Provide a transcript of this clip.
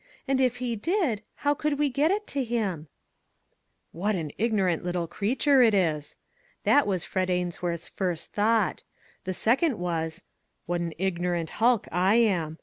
And if he did, how could we get it to him ?"" What an ignorant little creature it is !" That was Fred Ainsworth's first thought; the second was :" What an ignorant hulk I am